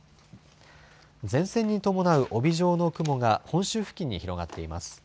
前線に伴う帯状の雲が本州付近に広がっています。